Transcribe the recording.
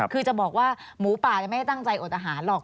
คือจะบอกว่าหมูป่าไม่ได้ตั้งใจอดอาหารหรอก